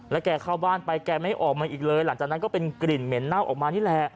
แกเข้าบ้านไปแกไม่ออกมาอีกเลยหลังจากนั้นก็เป็นกลิ่นเหม็นเน่าออกมานี่แหละ